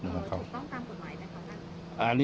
ไม่ตั้งใจครับ